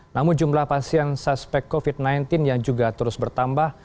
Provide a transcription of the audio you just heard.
namun jumlah pasien suspek covid sembilan belas yang juga terus bertambah